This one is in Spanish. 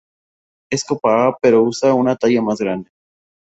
Es copa A pero usa una talla más grande.